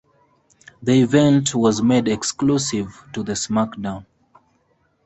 The event was made exclusive to the SmackDown!